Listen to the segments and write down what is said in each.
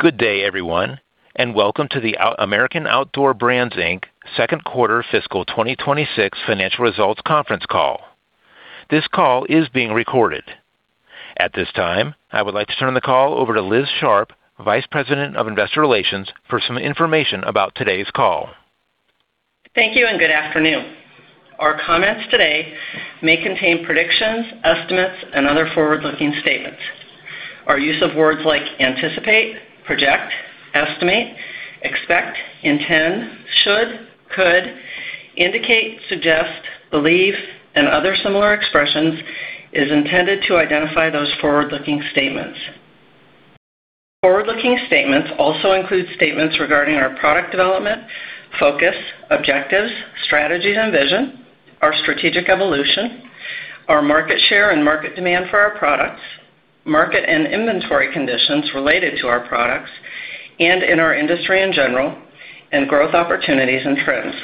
Good day, everyone, and welcome to the American Outdoor Brands, Inc. 2nd Quarter Fiscal 2026 Financial Results Conference Call. This call is being recorded. At this time, I would like to turn the call over to Liz Sharp, Vice President of Investor Relations, for some information about today's call. Thank you, and good afternoon. Our comments today may contain predictions, estimates, and other forward-looking statements. Our use of words like anticipate, project, estimate, expect, intend, should, could, indicate, suggest, believe, and other similar expressions is intended to identify those forward-looking statements. Forward-looking statements also include statements regarding our product development, focus, objectives, strategies, and vision, our strategic evolution, our market share and market demand for our products, market and inventory conditions related to our products, and in our industry in general, and growth opportunities and trends.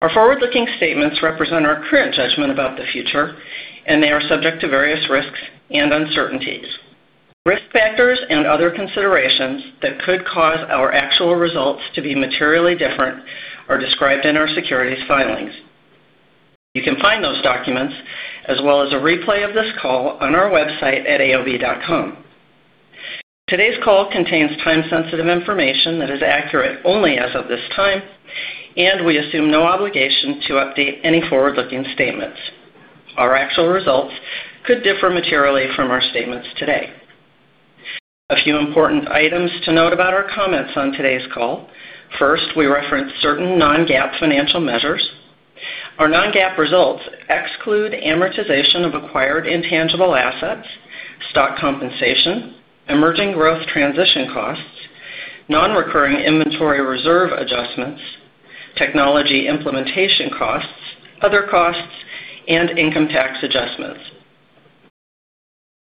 Our forward-looking statements represent our current judgment about the future, and they are subject to various risks and uncertainties. Risk factors and other considerations that could cause our actual results to be materially different are described in our securities filings. You can find those documents, as well as a replay of this call, on our website at aob.com. Today's call contains time-sensitive information that is accurate only as of this time, and we assume no obligation to update any forward-looking statements. Our actual results could differ materially from our statements today. A few important items to note about our comments on today's call. First, we reference certain non-GAAP financial measures. Our non-GAAP results exclude amortization of acquired intangible assets, stock compensation, emerging growth transition costs, non-recurring inventory reserve adjustments, technology implementation costs, other costs, and income tax adjustments.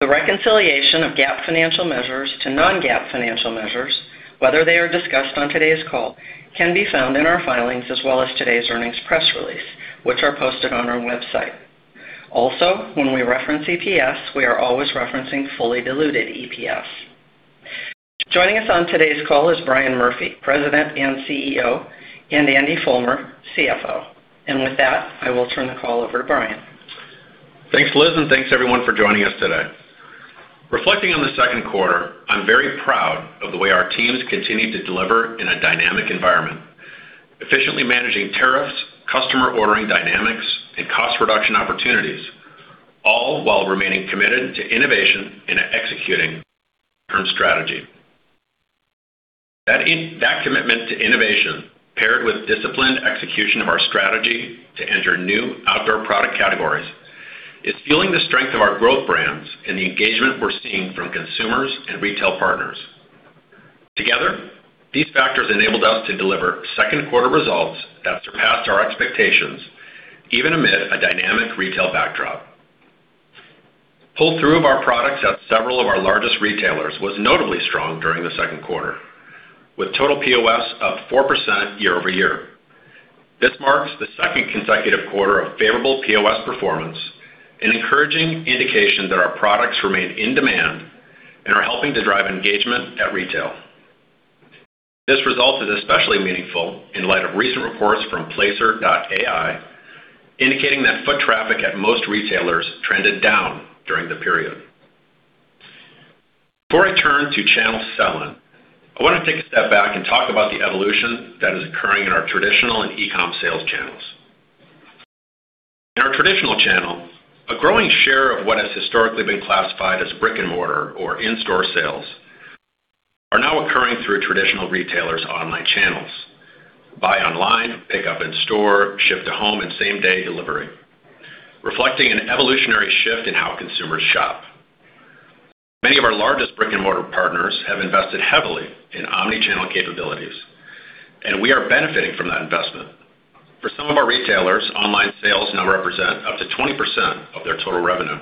The reconciliation of GAAP financial measures to non-GAAP financial measures, whether they are discussed on today's call, can be found in our filings as well as today's earnings press release, which are posted on our website. Also, when we reference EPS, we are always referencing fully diluted EPS. Joining us on today's call is Brian Murphy, President and CEO, and Andy Fulmer, CFO. With that, I will turn the call over to Brian. Thanks, Liz, and thanks, everyone, for joining us today. Reflecting on the 2nd quarter, I'm very proud of the way our teams continue to deliver in a dynamic environment, efficiently managing tariffs, customer ordering dynamics, and cost reduction opportunities, all while remaining committed to innovation and executing our strategy. That commitment to innovation, paired with disciplined execution of our strategy to enter new outdoor product categories, is fueling the strength of our Growth Brands and the engagement we're seeing from consumers and retail partners. Together, these factors enabled us to deliver 2nd quarter results that surpassed our expectations, even amid a dynamic retail backdrop. Pull-through of our products at several of our largest retailers was notably strong during the 2nd quarter, with total POS up 4% year-over-year. This marks the second consecutive quarter of favorable POS performance, an encouraging indication that our products remain in demand and are helping to drive engagement at retail. This result is especially meaningful in light of recent reports from Placer.ai, indicating that foot traffic at most retailers trended down during the period. Before I turn to channel seven, I want to take a step back and talk about the evolution that is occurring in our traditional and e-com sales channels. In our traditional channel, a growing share of what has historically been classified as Brick-and-Mortar or In-Store sales are now occurring through traditional retailers' online channels: buy online, pick up in store, ship-to-home, and same-day delivery, reflecting an evolutionary shift in how consumers shop. Many of our largest Brick-and-Mortar partners have invested heavily in omnichannel capabilities, and we are benefiting from that investment. For some of our retailers, online sales now represent up to 20% of their total revenue.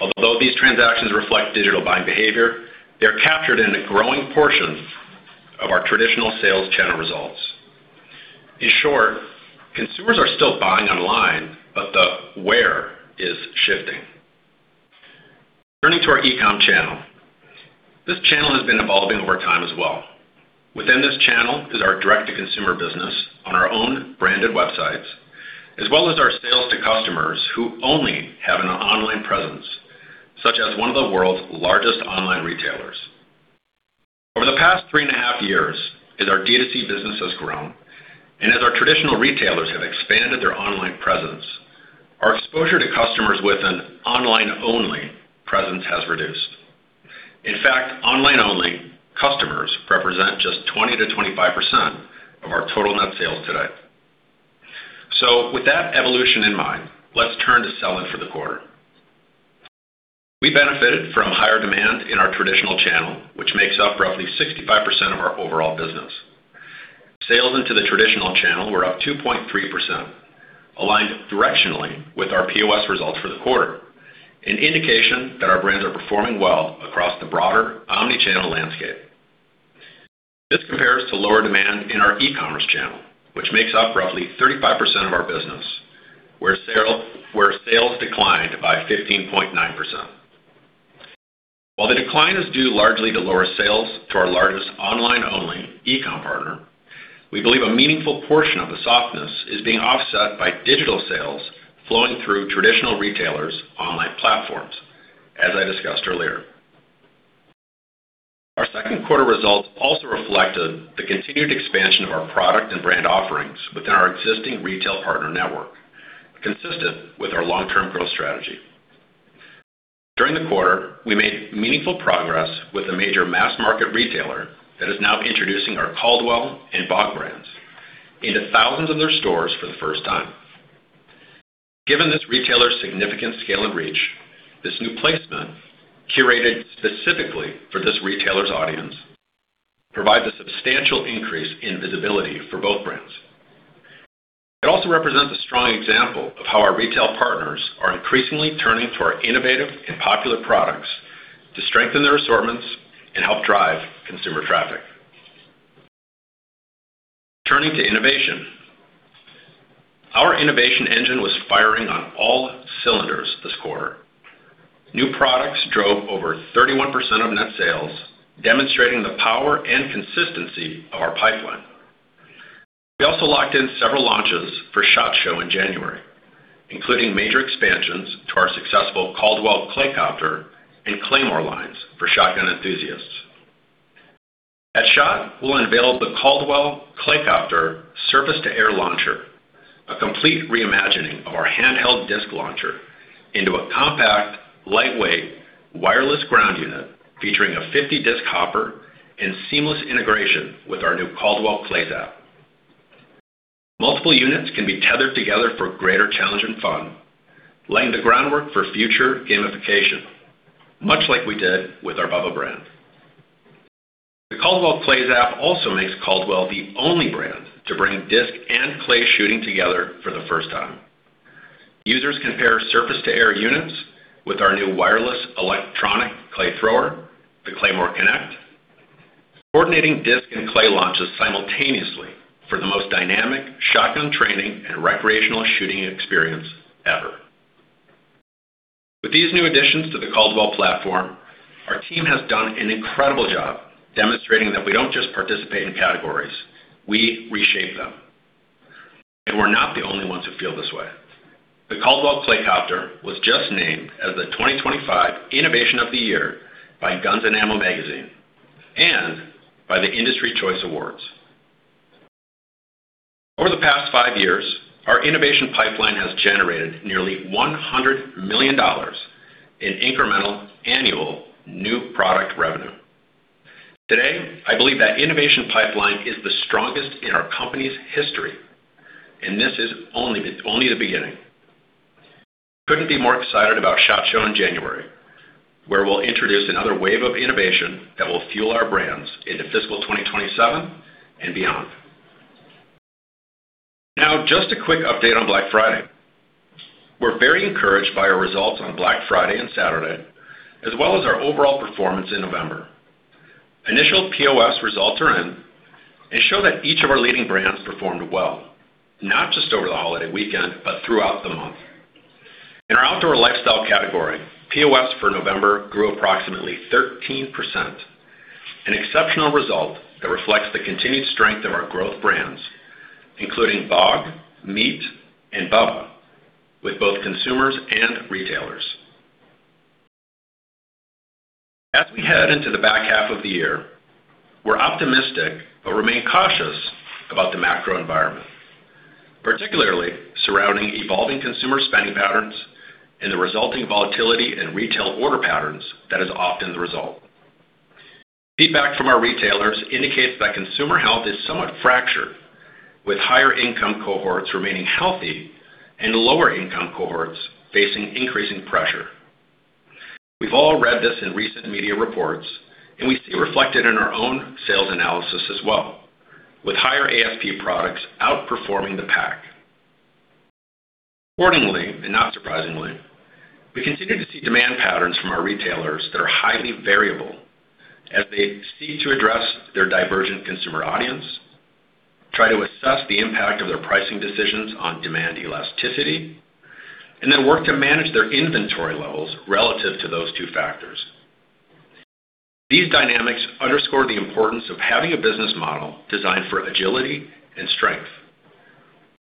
Although these transactions reflect digital buying behavior, they are captured in a growing portion of our traditional sales channel results. In short, consumers are still buying online, but the where is shifting. Turning to our e-com channel, this channel has been evolving over time as well. Within this channel is our direct-to-consumer business on our own branded websites, as well as our sales to customers who only have an online presence, such as one of the world's largest online retailers. Over the past 3.5 years, as our D2C business has grown and as our traditional retailers have expanded their online presence, our exposure to customers with an online-only presence has reduced. In fact, online-only customers represent just 20%-25% of our total net sales today. With that evolution in mind, let's turn to seven for the quarter. We benefited from higher demand in our traditional channel, which makes up roughly 65% of our overall business. Sales into the traditional channel were up 2.3%, aligned directionally with our POS results for the quarter, an indication that our brands are performing well across the broader omnichannel landscape. This compares to lower demand in our e-commerce channel, which makes up roughly 35% of our business, where sales declined by 15.9%. While the decline is due largely to lower sales to our largest online-only e-com partner, we believe a meaningful portion of the softness is being offset by digital sales flowing through traditional retailers' online platforms, as I discussed earlier. Our 2nd quarter results also reflected the continued expansion of our product and brand offerings within our existing retail partner network, consistent with our long-term growth strategy. During the quarter, we made meaningful progress with a major mass-market retailer that is now introducing our Caldwell and BOG brands into thousands of their stores for the first time. Given this retailer's significant scale and reach, this new placement, curated specifically for this retailer's audience, provides a substantial increase in visibility for both brands. It also represents a strong example of how our retail partners are increasingly turning to our innovative and popular products to strengthen their assortments and help drive consumer traffic. Turning to innovation, our innovation engine was firing on all cylinders this quarter. New products drove over 31% of net sales, demonstrating the power and consistency of our pipeline. We also locked in several launches for SHOT Show in January, including major expansions to our successful Caldwell ClayCopter and Claymore lines for shotgun enthusiasts. At SHOT, we'll unveil the Caldwell ClayCopter Surface-to-Air Launcher, a complete reimagining of our handheld disc launcher into a compact, lightweight, wireless ground unit featuring a 50-disc hopper and seamless integration with our new Caldwell Clays App. Multiple units can be tethered together for greater challenge and fun, laying the groundwork for future gamification, much like we did with our Bubba brand. The Caldwell Clays App also makes Caldwell the only brand to bring disc and clay shooting together for the first time. Users can pair surface-to-air units with our new wireless electronic clay thrower, the Claymore Connect, coordinating disc and clay launches simultaneously for the most dynamic shotgun training and recreational shooting experience ever. With these new additions to the Caldwell platform, our team has done an incredible job demonstrating that we don't just participate in categories. We reshape them. And we're not the only ones who feel this way. The Caldwell ClayCopter was just named as the 2025 Innovation of the Year by Guns & Ammo magazine and by the Industry Choice Awards. Over the past five years, our innovation pipeline has generated nearly $100 million in incremental annual new product revenue. Today, I believe that innovation pipeline is the strongest in our company's history, and this is only the beginning. Couldn't be more excited about SHOT Show in January, where we'll introduce another wave of innovation that will fuel our brands into fiscal 2027 and beyond. Now, just a quick update on Black Friday. We're very encouraged by our results on Black Friday and Saturday, as well as our overall performance in November. Initial POS results are in, and show that each of our leading brands performed well, not just over the holiday weekend, but throughout the month. In our outdoor lifestyle category, POS for November grew approximately 13%, an exceptional result that reflects the continued strength of our Growth Brands, including BOG, MEAT!, and BUBBA, with both consumers and retailers. As we head into the back half of the year, we're optimistic but remain cautious about the macro environment, particularly surrounding evolving consumer spending patterns and the resulting volatility in retail order patterns that is often the result. Feedback from our retailers indicates that consumer health is somewhat fractured, with higher-income cohorts remaining healthy and lower-income cohorts facing increasing pressure. We've all read this in recent media reports, and we see it reflected in our own sales analysis as well, with higher ASP products outperforming the pack. Accordingly, and not surprisingly, we continue to see demand patterns from our retailers that are highly variable as they seek to address their divergent consumer audience, try to assess the impact of their pricing decisions on demand elasticity, and then work to manage their inventory levels relative to those two factors. These dynamics underscore the importance of having a business model designed for agility and strength.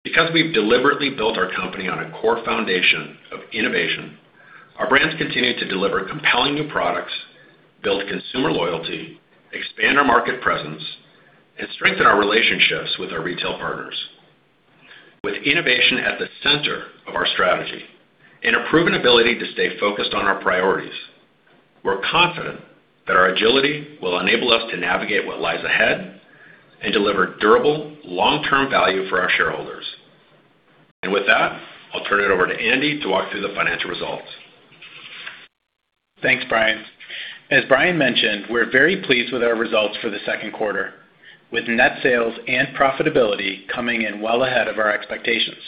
Because we've deliberately built our company on a core foundation of innovation, our brands continue to deliver compelling new products, build consumer loyalty, expand our market presence, and strengthen our relationships with our retail partners. With innovation at the center of our strategy and a proven ability to stay focused on our priorities, we're confident that our agility will enable us to navigate what lies ahead and deliver durable, long-term value for our shareholders. With that, I'll turn it over to Andy to walk through the financial results. Thanks, Brian. As Brian mentioned, we're very pleased with our results for the 2nd quarter, with net sales and profitability coming in well ahead of our expectations.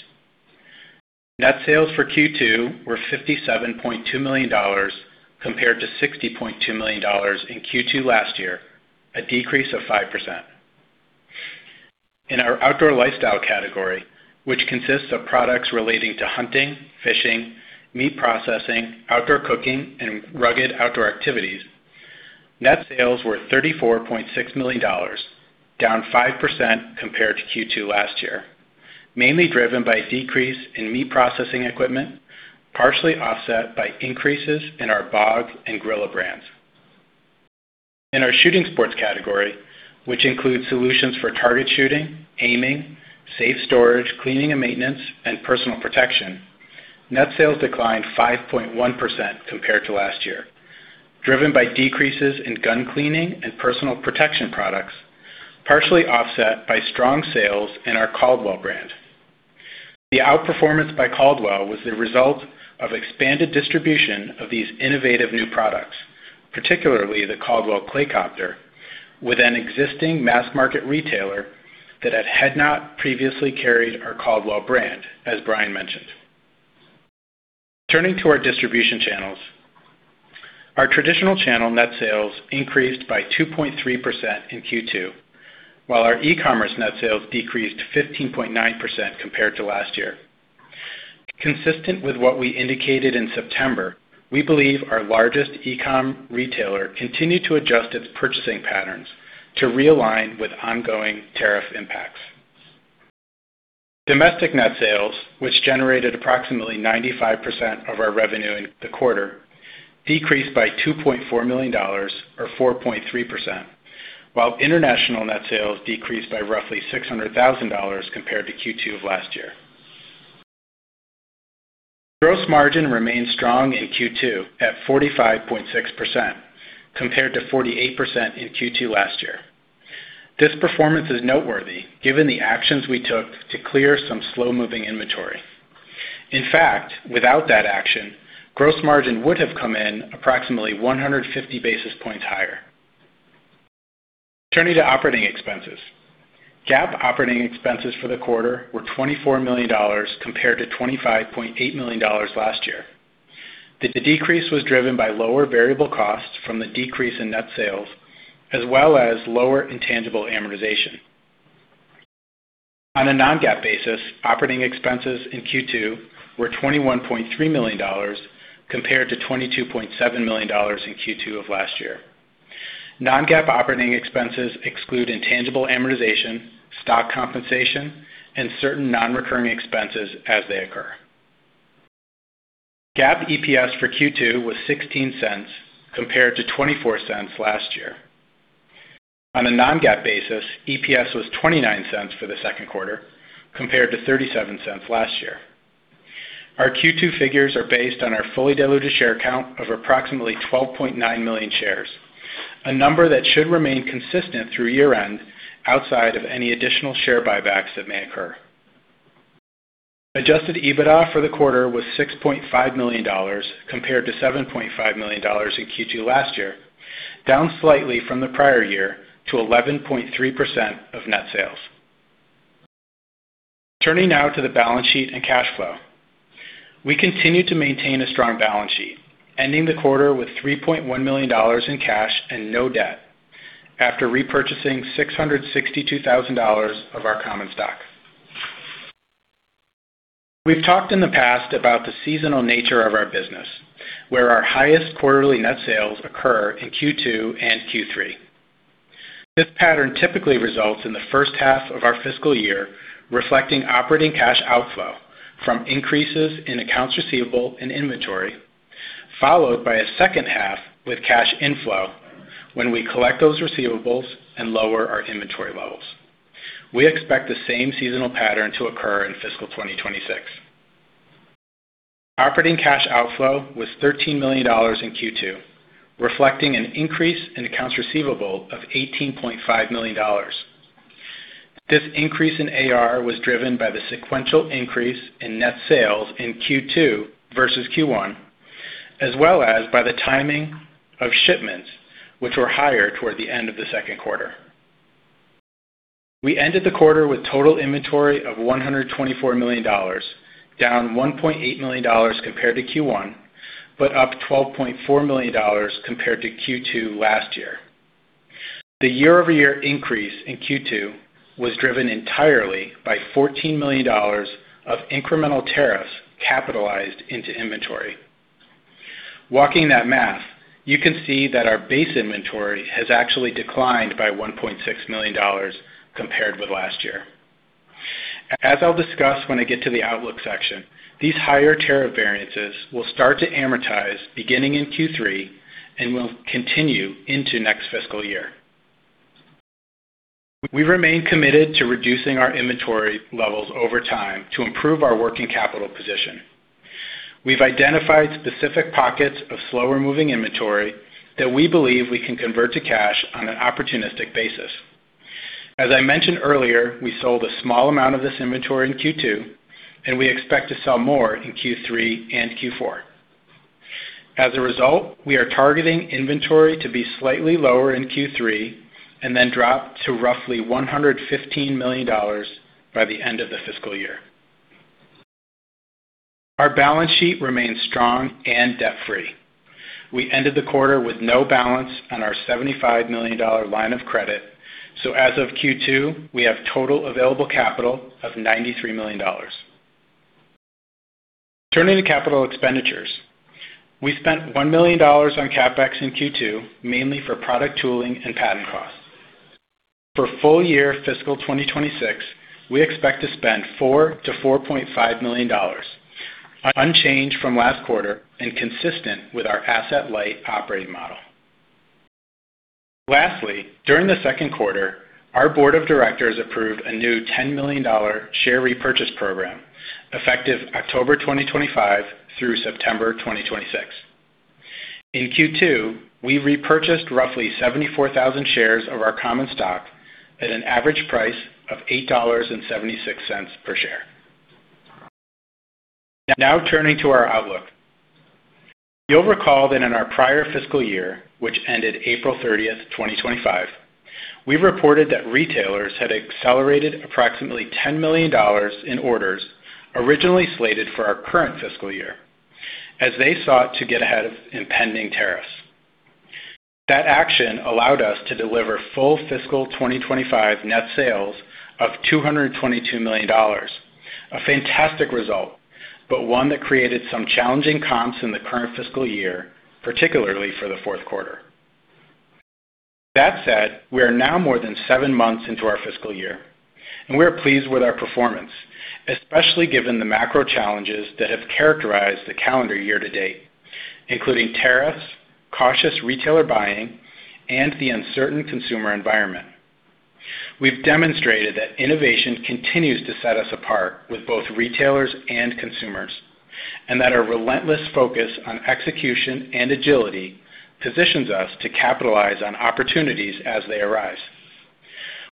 Net sales for Q2 were $57.2 million compared to $60.2 million in Q2 last year, a decrease of 5%. In our outdoor lifestyle category, which consists of products relating to hunting, fishing, meat processing, outdoor cooking, and rugged outdoor activities, net sales were $34.6 million, down 5% compared to Q2 last year, mainly driven by a decrease in meat processing equipment, partially offset by increases in our BOG and Grilla brands. In our shooting sports category, which includes solutions for target shooting, aiming, safe storage, cleaning and maintenance, and personal protection, net sales declined 5.1% compared to last year, driven by decreases in gun cleaning and personal protection products, partially offset by strong sales in our Caldwell brand. The outperformance by Caldwell was the result of expanded distribution of these innovative new products, particularly the Caldwell ClayCopter, with an existing mass-market retailer that had not previously carried our Caldwell brand, as Brian mentioned. Turning to our distribution channels, our traditional channel net sales increased by 2.3% in Q2, while our e-commerce net sales decreased 15.9% compared to last year. Consistent with what we indicated in September, we believe our largest e-com retailer continued to adjust its purchasing patterns to realign with ongoing tariff impacts. Domestic net sales, which generated approximately 95% of our revenue in the quarter, decreased by $2.4 million, or 4.3%, while international net sales decreased by roughly $600,000 compared to Q2 of last year. Gross margin remained strong in Q2 at 45.6%, compared to 48% in Q2 last year. This performance is noteworthy given the actions we took to clear some slow-moving inventory. In fact, without that action, gross margin would have come in approximately 150 basis points higher. Turning to operating expenses, GAAP operating expenses for the quarter were $24 million compared to $25.8 million last year. The decrease was driven by lower variable costs from the decrease in net sales, as well as lower intangible amortization. On a non-GAAP basis, operating expenses in Q2 were $21.3 million compared to $22.7 million in Q2 of last year. Non-GAAP operating expenses exclude intangible amortization, stock compensation, and certain non-recurring expenses as they occur. GAAP EPS for Q2 was $0.16 compared to $0.24 last year. On a non-GAAP basis, EPS was $0.29 for the 2nd quarter compared to $0.37 last year. Our Q2 figures are based on our fully diluted share count of approximately $12.9 million shares, a number that should remain consistent through year-end outside of any additional share buybacks that may occur. Adjusted EBITDA for the quarter was $6.5 million compared to $7.5 million in Q2 last year, down slightly from the prior year to 11.3% of net sales. Turning now to the balance sheet and cash flow. We continue to maintain a strong balance sheet, ending the quarter with $3.1 million in cash and no debt after repurchasing $662,000 of our common stock. We've talked in the past about the seasonal nature of our business, where our highest quarterly net sales occur in Q2 and Q3. This pattern typically results in the 1st half of our fiscal year reflecting operating cash outflow from increases in accounts receivable and inventory, followed by a 2nd half with cash inflow when we collect those receivables and lower our inventory levels. We expect the same seasonal pattern to occur in fiscal 2026. Operating cash outflow was $13 million in Q2, reflecting an increase in accounts receivable of $18.5 million. This increase in AR was driven by the sequential increase in net sales in Q2 versus Q1, as well as by the timing of shipments, which were higher toward the end of the 2nd quarter. We ended the quarter with total inventory of $124 million, down $1.8 million compared to Q1, but up $12.4 million compared to Q2 last year. The year-over-year increase in Q2 was driven entirely by $14 million of incremental tariffs capitalized into inventory. Walking that math, you can see that our base inventory has actually declined by $1.6 million compared with last year. As I'll discuss when I get to the outlook section, these higher tariff variances will start to amortize beginning in Q3 and will continue into next fiscal year. We remain committed to reducing our inventory levels over time to improve our working capital position. We've identified specific pockets of slower-moving inventory that we believe we can convert to cash on an opportunistic basis. As I mentioned earlier, we sold a small amount of this inventory in Q2, and we expect to sell more in Q3 and Q4. As a result, we are targeting inventory to be slightly lower in Q3 and then drop to roughly $115 million by the end of the fiscal year. Our balance sheet remains strong and debt-free. We ended the quarter with no balance on our $75 million line of credit, so as of Q2, we have total available capital of $93 million. Turning to capital expenditures, we spent $1 million on CapEx in Q2, mainly for product tooling and patent costs. For full year fiscal 2026, we expect to spend $4 million-$4.5 million unchanged from last quarter and consistent with our asset-light operating model. Lastly, during the 2nd quarter, our board of directors approved a new $10 million share repurchase program effective October 2025 through September 2026. In Q2, we repurchased roughly 74,000 shares of our common stock at an average price of $8.76 per share. Now turning to our outlook, you'll recall that in our prior fiscal year, which ended April 30th, 2025, we reported that retailers had accelerated approximately $10 million in orders originally slated for our current fiscal year as they sought to get ahead of impending tariffs. That action allowed us to deliver full fiscal 2025 net sales of $222 million, a fantastic result, but one that created some challenging comps in the current fiscal year, particularly for the 4th quarter. That said, we are now more than seven months into our fiscal year, and we're pleased with our performance, especially given the macro challenges that have characterized the calendar year to date, including tariffs, cautious retailer buying, and the uncertain consumer environment. We've demonstrated that innovation continues to set us apart with both retailers and consumers, and that our relentless focus on execution and agility positions us to capitalize on opportunities as they arise.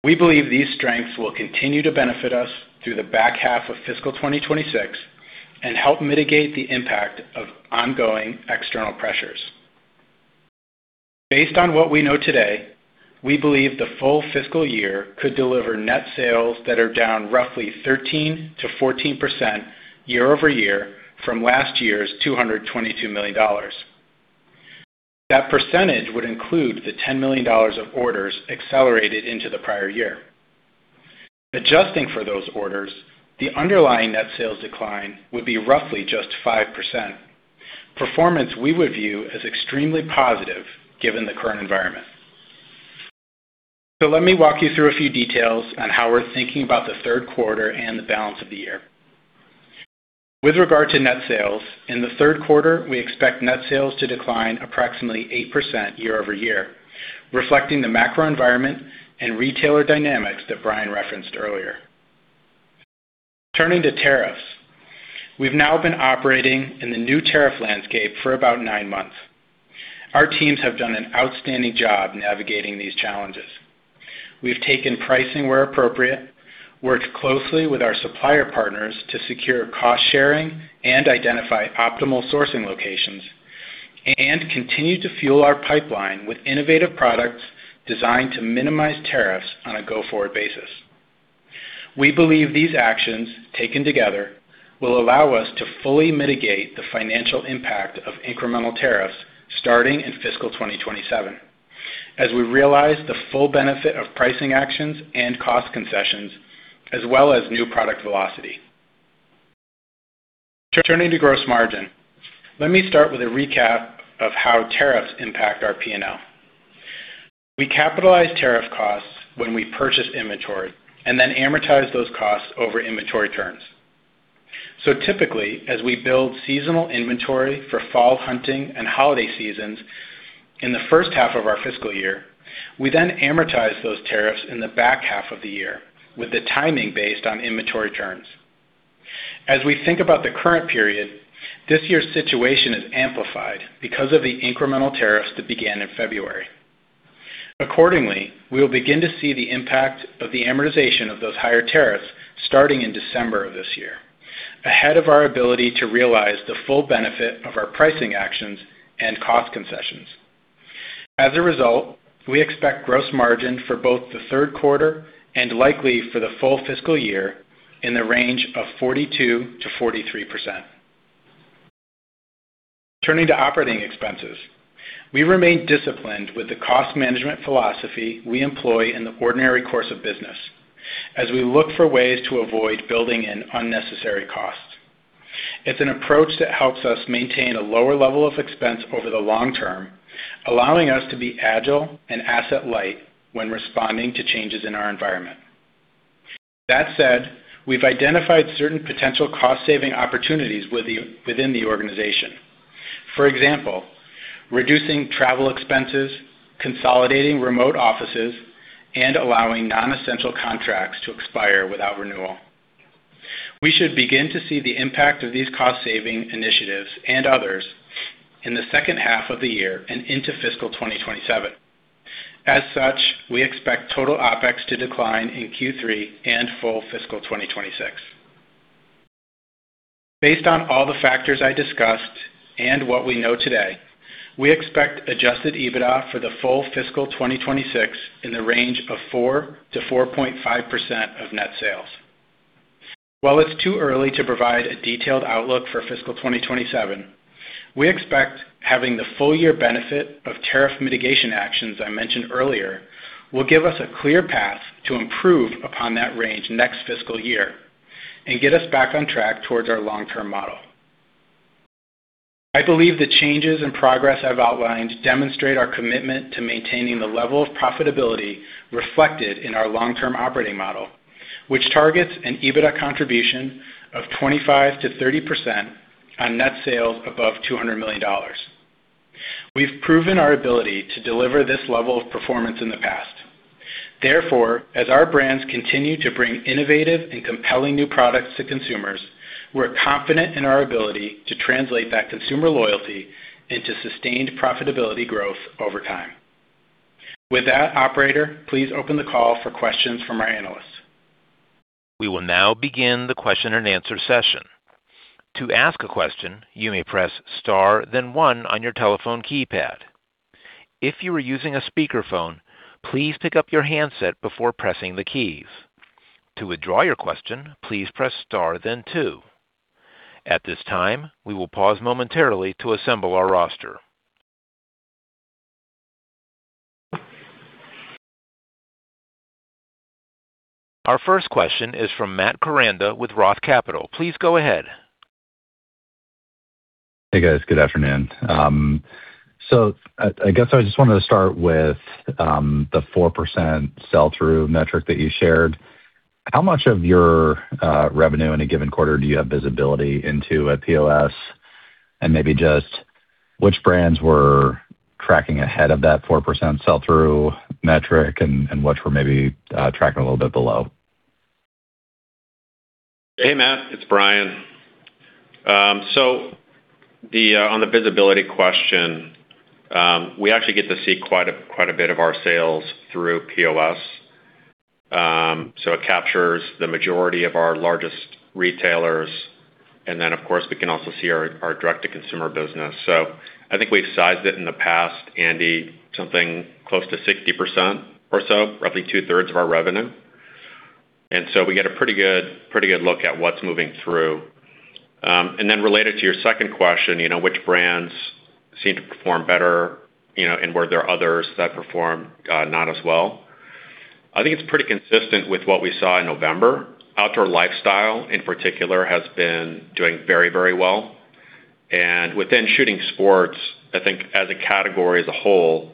We believe these strengths will continue to benefit us through the back half of fiscal 2026 and help mitigate the impact of ongoing external pressures. Based on what we know today, we believe the full fiscal year could deliver net sales that are down roughly 13%-14% year-over-year from last year's $222 million. That percentage would include the $10 million of orders accelerated into the prior year. Adjusting for those orders, the underlying net sales decline would be roughly just 5%. Performance we would view as extremely positive given the current environment. So let me walk you through a few details on how we're thinking about the 3rd quarter and the balance of the year. With regard to net sales, in the 3rd quarter, we expect net sales to decline approximately 8% year-over-year, reflecting the macro environment and retailer dynamics that Brian referenced earlier. Turning to tariffs, we've now been operating in the new tariff landscape for about nine months. Our teams have done an outstanding job navigating these challenges. We've taken pricing where appropriate, worked closely with our supplier partners to secure cost-sharing and identify optimal sourcing locations, and continued to fuel our pipeline with innovative products designed to minimize tariffs on a go-forward basis. We believe these actions taken together will allow us to fully mitigate the financial impact of incremental tariffs starting in fiscal 2027, as we realize the full benefit of pricing actions and cost concessions, as well as new product velocity. Turning to gross margin, let me start with a recap of how tariffs impact our P&L. We capitalize tariff costs when we purchase inventory and then amortize those costs over inventory turns. So typically, as we build seasonal inventory for fall hunting and holiday seasons in the first half of our fiscal year, we then amortize those tariffs in the back half of the year with the timing based on inventory turns. As we think about the current period, this year's situation is amplified because of the incremental tariffs that began in February. Accordingly, we will begin to see the impact of the amortization of those higher tariffs starting in December of this year, ahead of our ability to realize the full benefit of our pricing actions and cost concessions. As a result, we expect gross margin for both the 3rd quarter and likely for the full fiscal year in the range of 42%-43%. Turning to operating expenses, we remain disciplined with the cost management philosophy we employ in the ordinary course of business, as we look for ways to avoid building in unnecessary costs. It's an approach that helps us maintain a lower level of expense over the long term, allowing us to be agile and asset-light when responding to changes in our environment. That said, we've identified certain potential cost-saving opportunities within the organization. For example, reducing travel expenses, consolidating remote offices, and allowing non-essential contracts to expire without renewal. We should begin to see the impact of these cost-saving initiatives and others in the 2nd half of the year and into fiscal 2027. As such, we expect total OpEx to decline in Q3 and full fiscal 2026. Based on all the factors I discussed and what we know today, we expect Adjusted EBITDA for the full fiscal 2026 in the range of 4%-4.5% of net sales. While it's too early to provide a detailed outlook for fiscal 2027, we expect having the full year benefit of tariff mitigation actions I mentioned earlier will give us a clear path to improve upon that range next fiscal year and get us back on track towards our long-term model. I believe the changes and progress I've outlined demonstrate our commitment to maintaining the level of profitability reflected in our long-term operating model, which targets an EBITDA contribution of 25%-30% on net sales above $200 million. We've proven our ability to deliver this level of performance in the past. Therefore, as our brands continue to bring innovative and compelling new products to consumers, we're confident in our ability to translate that consumer loyalty into sustained profitability growth over time. With that, operator, please open the call for questions from our analysts. We will now begin the question and answer session. To ask a question, you may press star, then one on your telephone keypad. If you are using a speakerphone, please pick up your handset before pressing the keys. To withdraw your question, please press star, then two. At this time, we will pause momentarily to assemble our roster. Our first question is from Matt Koranda with Roth Capital. Please go ahead. Hey, guys. Good afternoon. So I guess I just wanted to start with the 4% sell-through metric that you shared. How much of your revenue in a given quarter do you have visibility into at POS, and maybe just which brands were tracking ahead of that 4% sell-through metric and which were maybe tracking a little bit below? Hey, Matt. It's Brian. So on the visibility question, we actually get to see quite a bit of our sales through POS. So it captures the majority of our largest retailers. And then, of course, we can also see our direct-to-consumer business. So I think we've sized it in the past, Andy, something close to 60% or so, roughly two-thirds of our revenue. And so we get a pretty good look at what's moving through. And then related to your second question, which brands seem to perform better and were there others that performed not as well? I think it's pretty consistent with what we saw in November. Outdoor lifestyle, in particular, has been doing very, very well. And within shooting sports, I think as a category as a whole,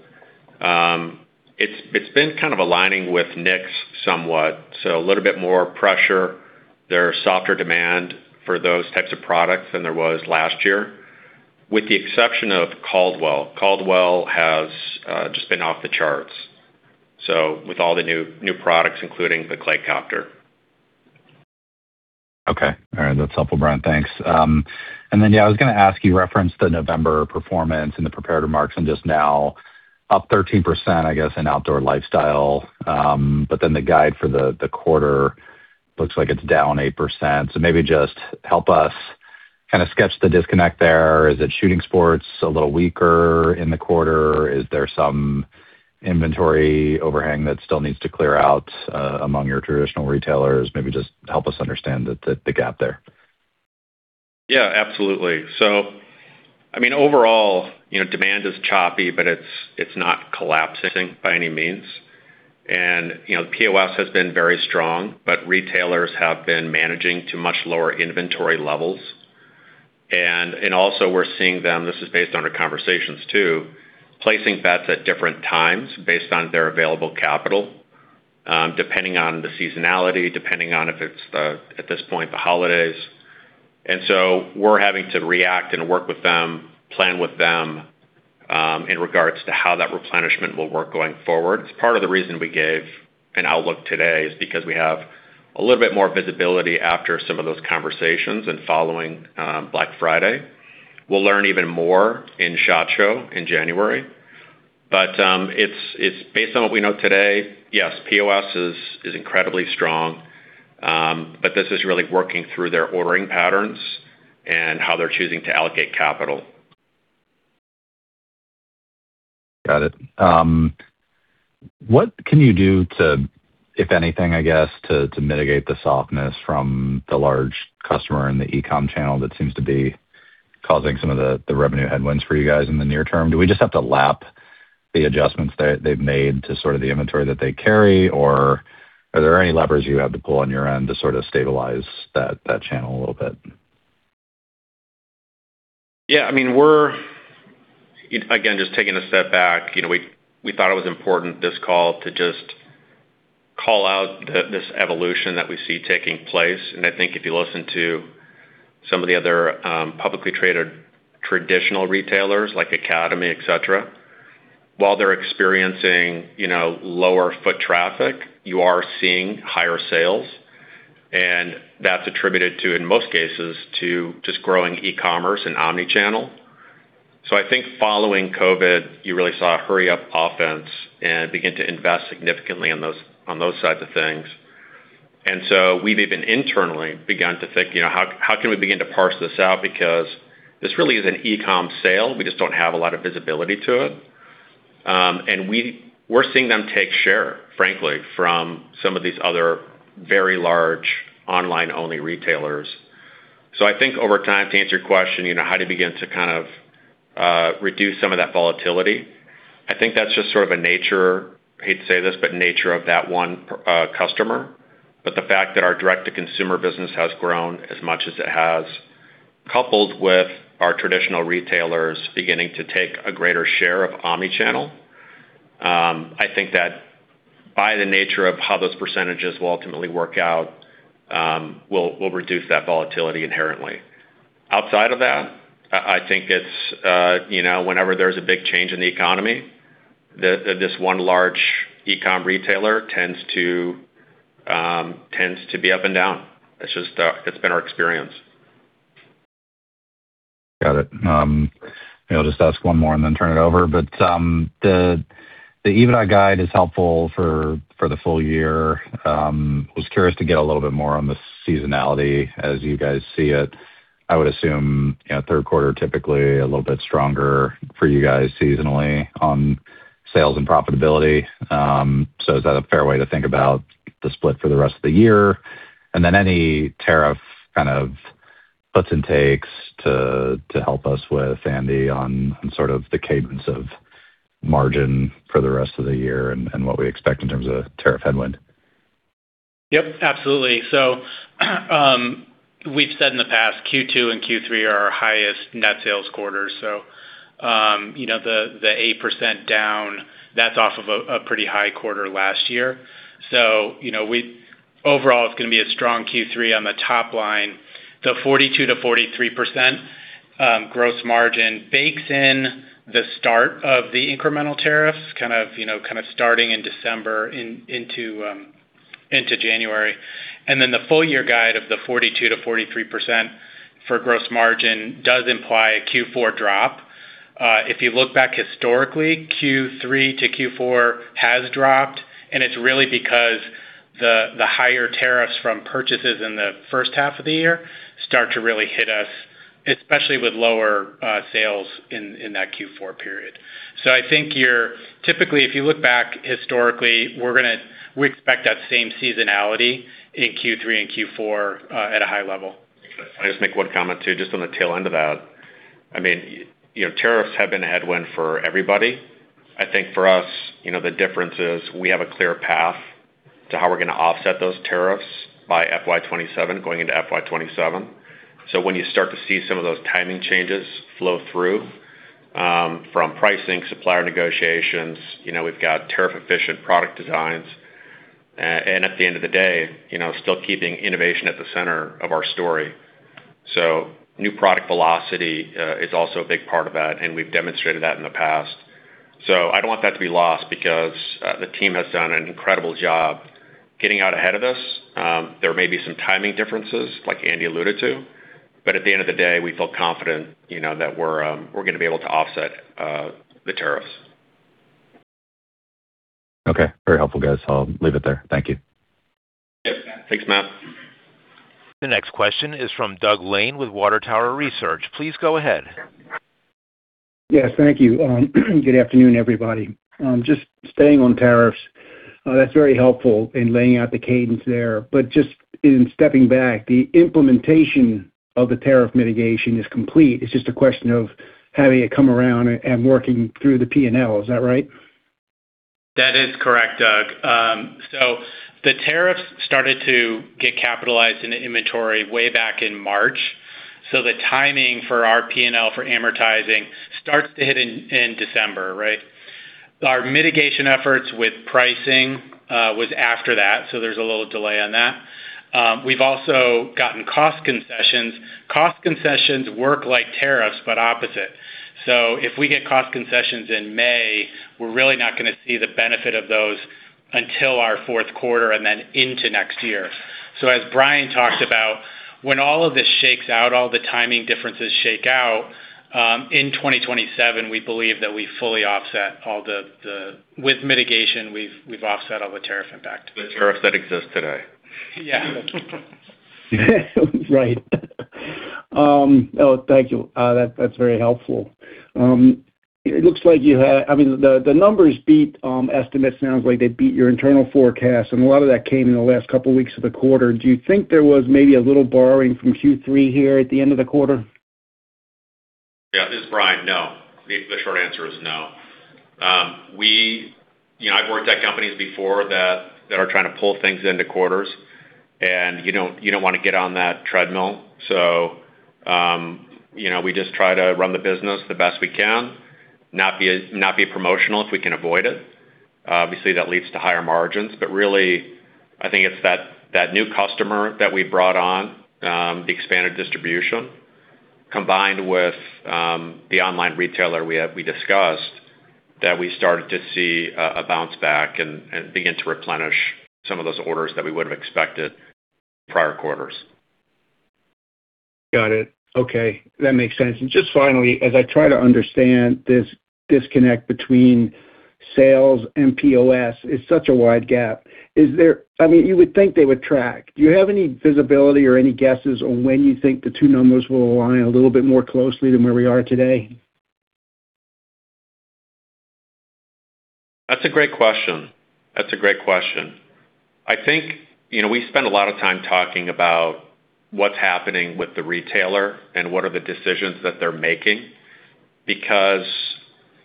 it's been kind of aligning with NICS somewhat. So a little bit more pressure. There's softer demand for those types of products than there was last year, with the exception of Caldwell. Caldwell has just been off the charts with all the new products, including the ClayCopter. Okay. All right. That's helpful, Brian. Thanks. And then, yeah, I was going to ask you [about the] reference [to] the November performance and the preliminary comps and [they're] just now up 13%, I guess, in outdoor lifestyle. But then the guide for the quarter looks like it's down 8%. So maybe just help us kind of sketch the disconnect there. Is it shooting sports a little weaker in the quarter? Is there some inventory overhang that still needs to clear out among your traditional retailers? Maybe just help us understand the gap there. Yeah, absolutely, so I mean, overall, demand is choppy, but it's not collapsing by any means, and POS has been very strong, but retailers have been managing to much lower inventory levels, and also, we're seeing them, this is based on our conversations too, placing bets at different times based on their available capital, depending on the seasonality, depending on if it's, at this point, the holidays, and so we're having to react and work with them, plan with them in regards to how that replenishment will work going forward. It's part of the reason we gave an outlook today is because we have a little bit more visibility after some of those conversations and following Black Friday. We'll learn even more in SHOT Show in January. But based on what we know today, yes, POS is incredibly strong, but this is really working through their ordering patterns and how they're choosing to allocate capital. Got it. What can you do, if anything, I guess, to mitigate the softness from the large customer and the e-com channel that seems to be causing some of the revenue headwinds for you guys in the near term? Do we just have to lap the adjustments they've made to sort of the inventory that they carry, or are there any levers you have to pull on your end to sort of stabilize that channel a little bit? Yeah. I mean, we're, again, just taking a step back. We thought it was important this call to just call out this evolution that we see taking place. I think if you listen to some of the other publicly traded traditional retailers like Academy, etc., while they're experiencing lower foot traffic, you are seeing higher sales. And that's attributed to, in most cases, to just growing e-commerce and omnichannel. So I think following COVID, you really saw a hurry-up offense and began to invest significantly on those types of things. And so we've even internally begun to think, how can we begin to parse this out? Because this really is an e-com sale. We just don't have a lot of visibility to it. And we're seeing them take share, frankly, from some of these other very large online-only retailers. So I think over time, to answer your question, how do you begin to kind of reduce some of that volatility? I think that's just sort of a nature, I hate to say this, but nature of that one customer. But the fact that our direct-to-consumer business has grown as much as it has, coupled with our traditional retailers beginning to take a greater share of omnichannel, I think that by the nature of how those percentages will ultimately work out, we'll reduce that volatility inherently. Outside of that, I think it's whenever there's a big change in the economy, this one large e-com retailer tends to be up and down. It's been our experience. Got it. I'll just ask one more and then turn it over. But the EBITDA guide is helpful for the full year. I was curious to get a little bit more on the seasonality as you guys see it. I would assume 3rd quarter typically a little bit stronger for you guys seasonally on sales and profitability. So is that a fair way to think about the split for the rest of the year? And then any tariff kind of puts and takes to help us with, Andy, on sort of the cadence of margin for the rest of the year and what we expect in terms of tariff headwind? Yep. Absolutely. So we've said in the past, Q2 and Q3 are our highest net sales quarters. So the 8% down, that's off of a pretty high quarter last year. So overall, it's going to be a strong Q3 on the top line. The 42%-43% gross margin bakes in the start of the incremental tariffs, kind of starting in December into January. And then the full year guide of the 42%-43% for gross margin does imply a Q4 drop. If you look back historically, Q3 to Q4 has dropped, and it's really because the higher tariffs from purchases in the first half of the year start to really hit us, especially with lower sales in that Q4 period. So I think typically, if you look back historically, we expect that same seasonality in Q3 and Q4 at a high level. I'll just make one comment too. Just on the tail end of that, I mean, tariffs have been a headwind for everybody. I think for us, the difference is we have a clear path to how we're going to offset those tariffs by FY2027, going into FY2027. So when you start to see some of those timing changes flow through from pricing, supplier negotiations, we've got tariff-efficient product designs. And at the end of the day, still keeping innovation at the center of our story. So new product velocity is also a big part of that, and we've demonstrated that in the past. So I don't want that to be lost because the team has done an incredible job getting out ahead of us. There may be some timing differences, like Andy alluded to, but at the end of the day, we feel confident that we're going to be able to offset the tariffs. Okay. Very helpful, guys. I'll leave it there. Thank you. Yep. Thanks, Matt. The next question is from Doug Lane with Water Tower Research. Please go ahead. Yes. Thank you. Good afternoon, everybody. Just staying on tariffs, that's very helpful in laying out the cadence there. But just in stepping back, the implementation of the tariff mitigation is complete. It's just a question of having it come around and working through the P&L. Is that right? That is correct, Doug. So the tariffs started to get capitalized in the inventory way back in March. So the timing for our P&L for amortizing starts to hit in December, right? Our mitigation efforts with pricing was after that, so there's a little delay on that. We've also gotten cost concessions. Cost concessions work like tariffs, but opposite. So if we get cost concessions in May, we're really not going to see the benefit of those until our 4th quarter and then into next year. So as Brian talked about, when all of this shakes out, all the timing differences shake out, in 2027, we believe that we fully offset all the, with mitigation, we've offset all the tariff impact. The tariffs that exist today. Yeah. Right. Oh, thank you. That's very helpful. It looks like you had, I mean, the numbers beat estimates. Sounds like they beat your internal forecast, and a lot of that came in the last couple of weeks of the quarter. Do you think there was maybe a little borrowing from Q3 here at the end of the quarter? Yeah. This is Brian. No. The short answer is no. I've worked at companies before that are trying to pull things into quarters, and you don't want to get on that treadmill. So we just try to run the business the best we can, not be promotional if we can avoid it. Obviously, that leads to higher margins. But really, I think it's that new customer that we brought on, the expanded distribution, combined with the online retailer we discussed, that we started to see a bounce back and begin to replenish some of those orders that we would have expected in prior quarters. Got it. Okay. That makes sense. And just finally, as I try to understand this disconnect between sales and POS, it's such a wide gap. I mean, you would think they would track. Do you have any visibility or any guesses on when you think the two numbers will align a little bit more closely than where we are today? That's a great question. That's a great question. I think we spend a lot of time talking about what's happening with the retailer and what are the decisions that they're making because,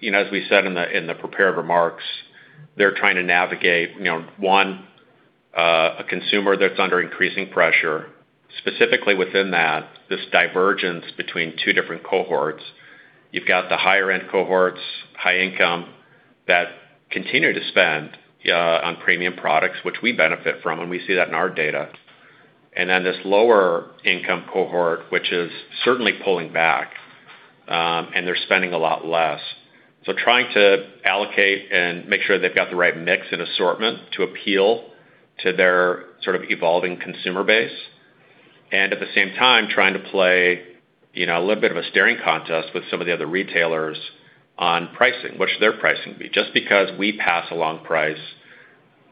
as we said in the prepared remarks, they're trying to navigate, one, a consumer that's under increasing pressure. Specifically within that, this divergence between two different cohorts. You've got the higher-end cohorts, high income, that continue to spend on premium products, which we benefit from, and we see that in our data. And then this lower-income cohort, which is certainly pulling back, and they're spending a lot less. So trying to allocate and make sure they've got the right mix and assortment to appeal to their sort of evolving consumer base. And at the same time, trying to play a little bit of a staring contest with some of the other retailers on pricing. What should their pricing be? Just because we pass-along price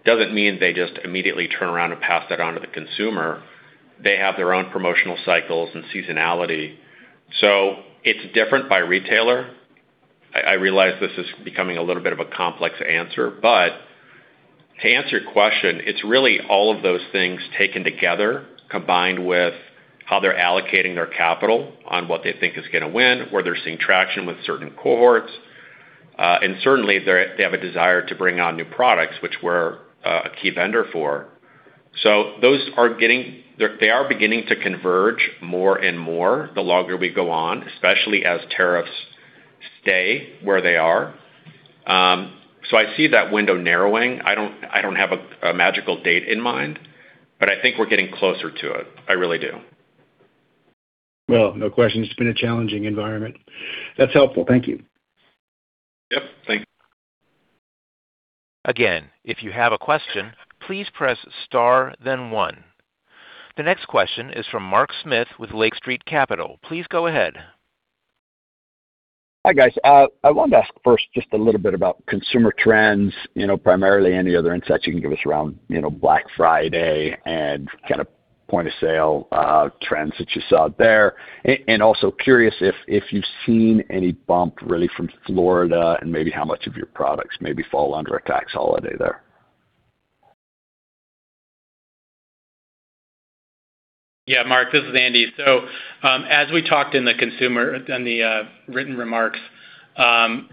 doesn't mean they just immediately turn around and pass that on to the consumer. They have their own promotional cycles and seasonality. So it's different by retailer. I realize this is becoming a little bit of a complex answer, but to answer your question, it's really all of those things taken together, combined with how they're allocating their capital on what they think is going to win, where they're seeing traction with certain cohorts. Certainly, they have a desire to bring on new products, which we're a key vendor for. So those are getting, they are beginning to converge more and more the longer we go on, especially as tariffs stay where they are. So I see that window narrowing. I don't have a magical date in mind, but I think we're getting closer to it. I really do. No question. It's been a challenging environment. That's helpful. Thank you. Yep. Thanks. Again, if you have a question, please press star, then one. The next question is from Mark Smith with Lake Street Capital. Please go ahead. Hi, guys. I wanted to ask first just a little bit about consumer trends, primarily any other insights you can give us around Black Friday and kind of point-of-sale trends that you saw there. Also curious if you've seen any bump really from Florida and maybe how much of your products maybe fall under a tax holiday there. Yeah, Mark, this is Andy. So as we talked in the consumer and the written remarks,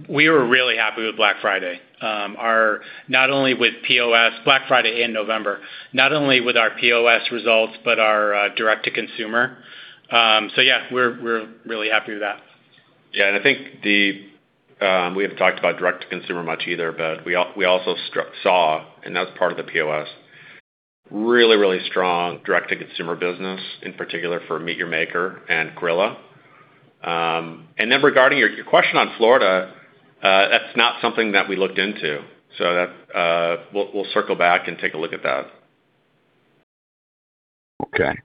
we were really happy with Black Friday. Not only with POS, Black Friday and November, not only with our POS results, but our direct-to-consumer. So yeah, we're really happy with that. Yeah. And I think we haven't talked about direct-to-consumer much either, but we also saw, and that was part of the POS, really, really strong direct-to-consumer business, in particular for MEAT! Your Maker and Grilla. And then regarding your question on Florida, that's not something that we looked into. So we'll circle back and take a look at that. Okay.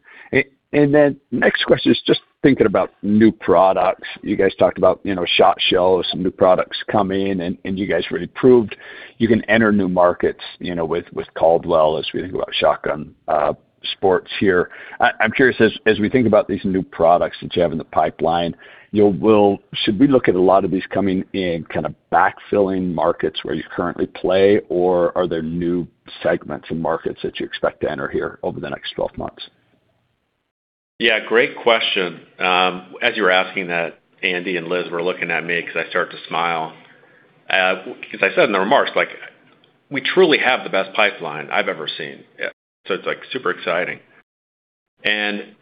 And then next question is just thinking about new products. You guys talked about shot shells, new products coming in, and you guys really proved you can enter new markets with Caldwell as we think about shotgun sports here. I'm curious, as we think about these new products that you have in the pipeline, should we look at a lot of these coming in kind of backfilling markets where you currently play, or are there new segments and markets that you expect to enter here over the next 12 months? Yeah. Great question. As you were asking that, Andy and Liz were looking at me because I started to smile. As I said in the remarks, we truly have the best pipeline I've ever seen. So it's super exciting, and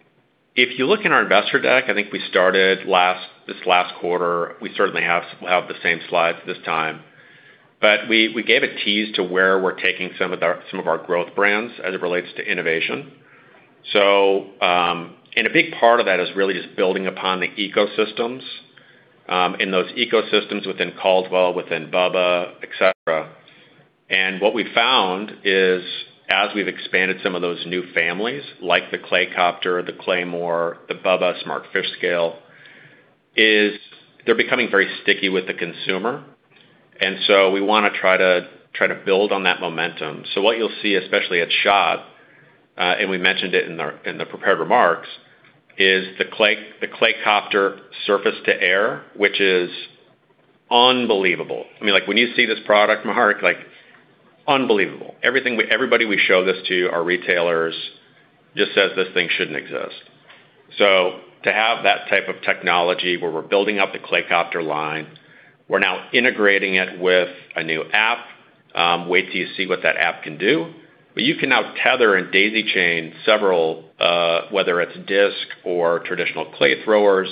if you look in our investor deck, I think we started this last quarter. We certainly have the same slides this time. But we gave a tease to where we're taking some of our growth brands as it relates to innovation. A big part of that is really just building upon the ecosystems and those ecosystems within Caldwell, within BUBBA, etc. And what we found is, as we've expanded some of those new families like the ClayCopter, the Claymore, the BUBBA Smart Fish Scale, they're becoming very sticky with the consumer. And so we want to try to build on that momentum. So what you'll see, especially at SHOT Show, and we mentioned it in the preparatory remarks, is the ClayCopter surface-to-air, which is unbelievable. I mean, when you see this product, Mark, unbelievable. Everybody we show this to, our retailers, just says this thing shouldn't exist. So to have that type of technology where we're building up the ClayCopter line, we're now integrating it with a new app. Wait till you see what that app can do. But you can now tether and daisy-chain several, whether it's disc or traditional clay throwers,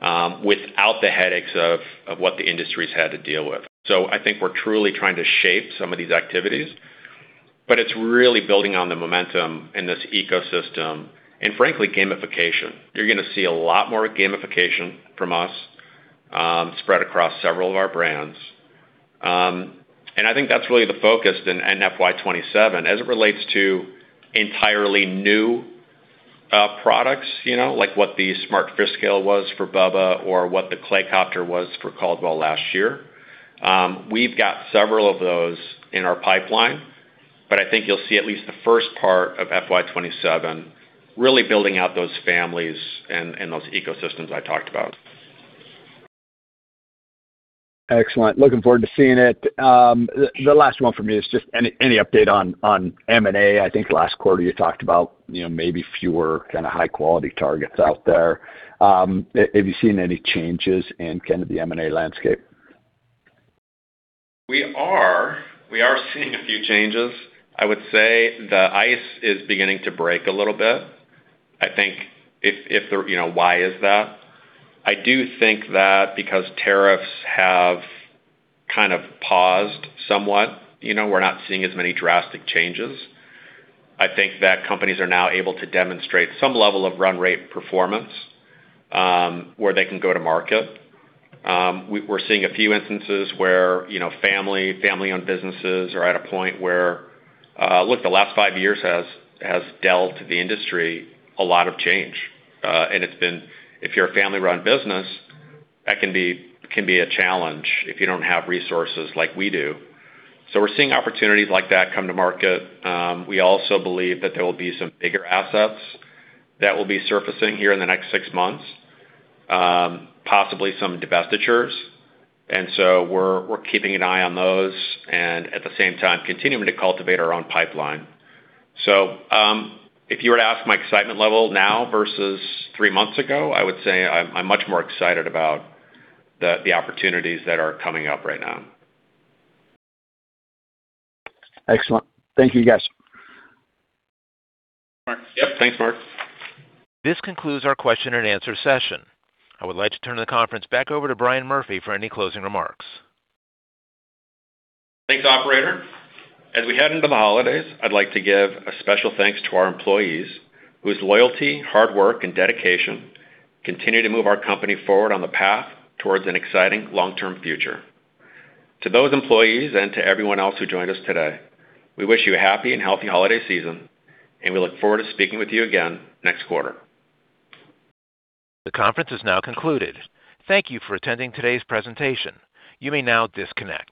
without the headaches of what the industry's had to deal with. So I think we're truly trying to shape some of these activities. But it's really building on the momentum and this ecosystem and, frankly, gamification. You're going to see a lot more gamification from us spread across several of our brands. And I think that's really the focus in FY2027 as it relates to entirely new products, like what the Smart Fish Scale was for BUBBA or what the ClayCopter was for Caldwell last year. We've got several of those in our pipeline, but I think you'll see at least the first part of FY2027 really building out those families and those ecosystems I talked about. Excellent. Looking forward to seeing it. The last one for me is just any update on M&A. I think last quarter you talked about maybe fewer kind of high-quality targets out there. Have you seen any changes in kind of the M&A landscape? We are seeing a few changes. I would say the ice is beginning to break a little bit. I think. Why is that? I do think that because tariffs have kind of paused somewhat. We're not seeing as many drastic changes. I think that companies are now able to demonstrate some level of run-rate performance where they can go to market. We're seeing a few instances where family-owned businesses are at a point where, look, the last five years has dealt to the industry a lot of change, and if you're a family-run business, that can be a challenge if you don't have resources like we do. So we're seeing opportunities like that come to market. We also believe that there will be some bigger assets that will be surfacing here in the next six months, possibly some divestitures. And so we're keeping an eye on those and, at the same time, continuing to cultivate our own pipeline. So if you were to ask my excitement level now versus three months ago, I would say I'm much more excited about the opportunities that are coming up right now. Excellent. Thank you, guys. Thanks, Mark. Yep. Thanks, Mark. This concludes our question-and-answer session. I would like to turn the conference back over to Brian Murphy for any closing remarks. Thanks, operator. As we head into the holidays, I'd like to give a special thanks to our employees whose loyalty, hard work, and dedication continue to move our company forward on the path towards an exciting long-term future. To those employees and to everyone else who joined us today, we wish you a happy and healthy holiday season, and we look forward to speaking with you again next quarter. The conference is now concluded. Thank you for attending today's presentation. You may now disconnect.